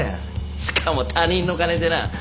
しかも他人の金でな。